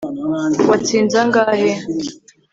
watsinze angahe